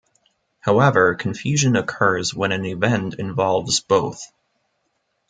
However confusion occurs when an event involves both.